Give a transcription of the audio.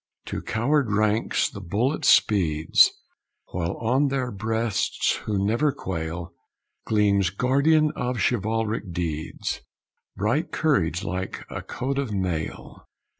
To coward ranks the bullet speeds, While on their breasts who never quail, Gleams, guardian of chivalric deeds, Bright courage like a coat of mail.